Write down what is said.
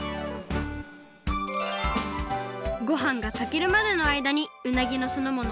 ごはんがたけるまでのあいだにうなぎのすのもの